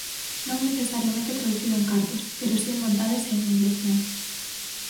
Non necesariamente traducido en cartos, pero si en vontades e en mediación.